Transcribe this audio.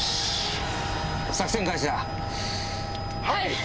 はい。